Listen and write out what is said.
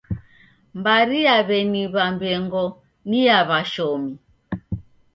Mbari ya W'eni Wambengo ni ya w'ashomi